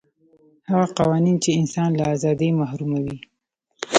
هغه قوانین چې انسان له ازادۍ محروموي.